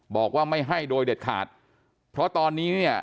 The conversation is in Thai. บอกว่าไม่ให้โดยเด็ดขาดเพราะตอนนี้เนี่ย